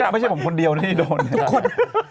ไม่ใช่ผมคนเดียวนี่โดนทุกคน